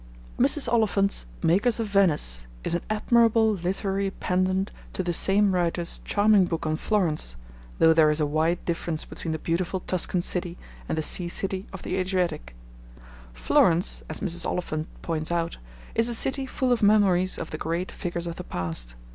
Mrs. Oliphant's Makers of Venice is an admirable literary pendant to the same writer's charming book on Florence, though there is a wide difference between the beautiful Tuscan city and the sea city of the Adriatic. Florence, as Mrs. Oliphant points out, is a city full of memories of the great figures of the past.